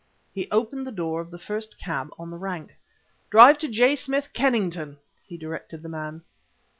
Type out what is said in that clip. He opened the door of the first cab on the rank. "Drive to J Street, Kennington," he directed the man.